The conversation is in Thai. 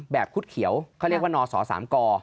แบบคุดเขียวเรียกว่านศศกอ